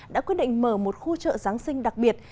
đã quyết định mở một khu chợ giáng sinh đặc biệt